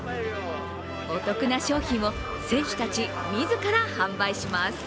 お得な商品を選手たち自ら販売します。